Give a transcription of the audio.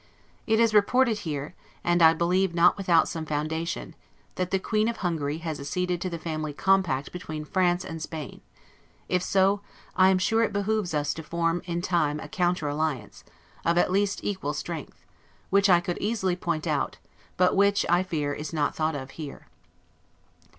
It is reported here, and I believe not without some foundation, that the queen of Hungary has acceded to the Family Compact between France and Spain: if so, I am sure it behooves us to form in time a counter alliance, of at least equal strength; which I could easily point out, but which, I fear, is not thought of here.